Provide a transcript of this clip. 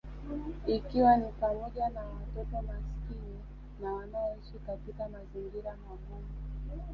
Ikiwa ni pamoja na watoto maskini na wanaoishi katika mazingira magumu